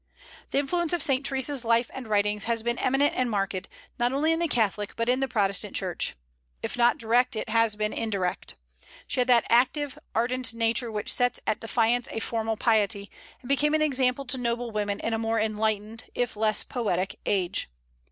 The influence of Saint Theresa's life and writings has been eminent and marked, not only in the Catholic but in the Protestant Church. If not direct, it has been indirect. She had that active, ardent nature which sets at defiance a formal piety, and became an example to noble women in a more enlightened, if less poetic, age.